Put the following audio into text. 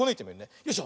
よいしょ。